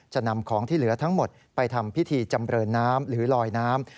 จะนำของที่เหลือทั้งหมดไปทำพิธีจำเรินน้ำหรือลอยน้ำ